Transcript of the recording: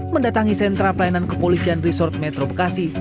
mendatangi sentra pelayanan kepolisian resort metro bekasi